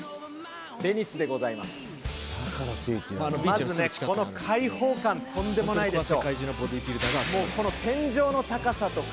まずねこの開放感とんでもないでしょ。